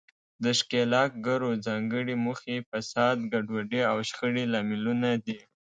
د ښکیلاکګرو ځانګړې موخې، فساد، ګډوډي او شخړې لاملونه دي.